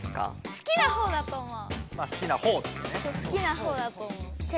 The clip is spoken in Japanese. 好きなほうだと思う。